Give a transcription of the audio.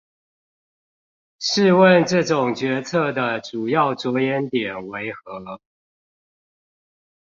試問這種決策的主要著眼點為何？